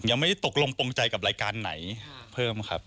ยังไม่ได้ตกลงตรงใจกับรายการไหนเพิ่มครับ